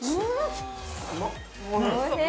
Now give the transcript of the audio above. ◆おいしい。